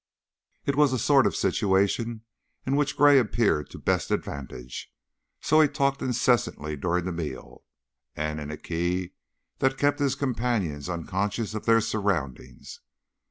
It was the sort of situation in which Gray appeared to best advantage, so he talked incessantly during the meal, and in a key that kept his companions unconscious of their surroundings.